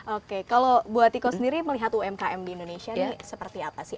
oke kalau bu atiko sendiri melihat umkm di indonesia ini seperti apa sih